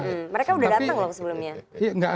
mereka udah dateng loh sebelumnya